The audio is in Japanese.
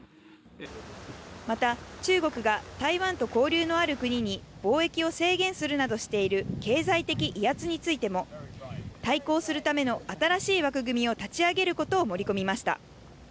また、中国が台湾と交流のある国に貿易を制限するなどしている経済的威圧についても、対抗するための新しい枠組みを立ち上げることを盛り込みました。